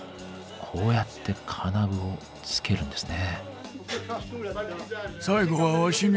こうやって金具を付けるんですね。